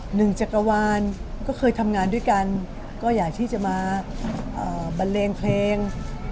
จักรวาลก็เคยทำงานด้วยกันก็อยากที่จะมาบันเลงเพลง